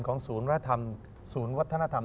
ศูนย์วัฒนธรรมศูนย์วัฒนธรรม